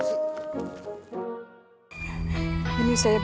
enggak yang terus anak orang